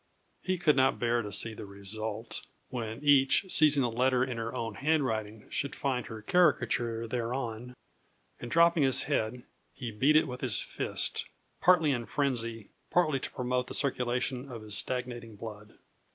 He could not bear to see the result, when each, seizing the letter in her own handwriting, should find her caricature thereon; and dropping his head, he beat it with his fist partly in frenzy, partly to promote the circulation of his stagnating blood.